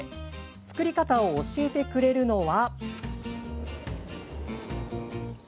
作り方を教えてくれるのは。